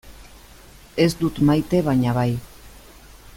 Ez dut maite baina bai.